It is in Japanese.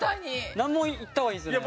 難問いった方がいいですよね？